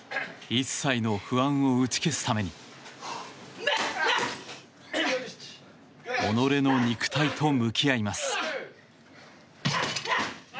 一切の不安を打ち消すために己の肉体と向き合います。